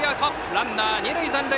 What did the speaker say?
ランナー、二塁残塁。